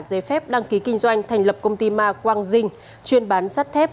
hùng đã giấy phép đăng ký kinh doanh thành lập công ty ma quang dinh chuyên bán sắt thép